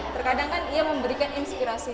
terkadang kan ia memberikan inspirasi